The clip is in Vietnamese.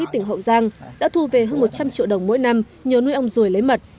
tỉnh hậu giang đã thu về hơn một trăm linh triệu đồng mỗi năm nhờ nuôi ong ruồi lấy mật